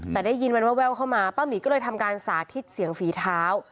แต่ได้ยินมันแววเข้ามาป้าหมีก็เลยทำการสาธิตเสียงฝีเท้า